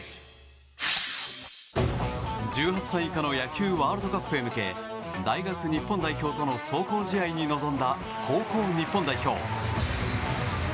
１８歳以下の野球ワールドカップに向け大学日本代表との壮行試合に臨んだ高校日本代表。